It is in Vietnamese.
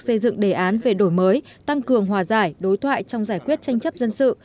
xây dựng đề án về đổi mới tăng cường hòa giải đối thoại trong giải quyết tranh chấp dân sự